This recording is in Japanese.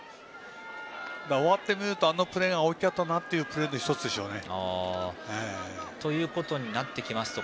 終わって見るとあのプレーが大きかったというプレーの１つですね。